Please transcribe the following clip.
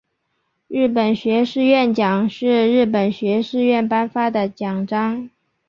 日本学士院奖是日本学士院颁发的奖章。